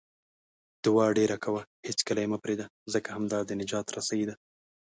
دعاء ډېره کوه، هیڅکله یې مه پرېږده، ځکه همدا د نجات رسۍ ده